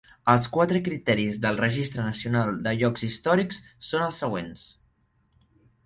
Els quatre criteris del Registre Nacional de Llocs Històrics són els següents.